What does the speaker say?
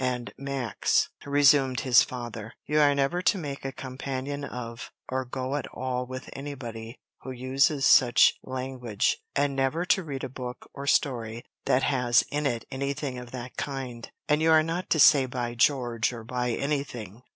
"And, Max," resumed his father, "you are never to make a companion of, or go at all with anybody who uses such language, and never to read a book or story that has in it anything of that kind. And you are not to say by George or by anything.